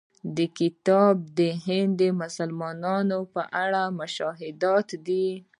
د کتاب نوم د هند د مسلمانانو په اړه مشاهدات دی.